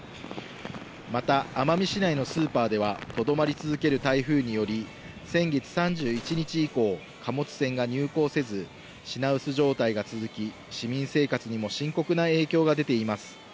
また、奄美市内のスーパーでは、とどまり続ける台風により、先月３１日以降、貨物船が入港せず、品薄状態が続き、市民生活にも深刻な影響が出ています。